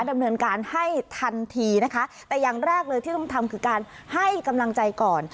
ดำเนินการให้ทันทีนะคะแต่อย่างแรกเลยที่ต้องทำคือการให้กำลังใจก่อน